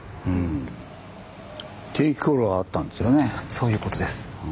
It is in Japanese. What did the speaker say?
そういうことです。